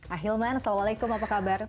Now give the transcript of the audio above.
ahilman assalamualaikum apa kabar